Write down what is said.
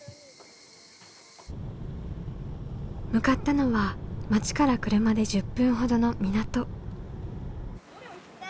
向かったのは町から車で１０分ほどの港。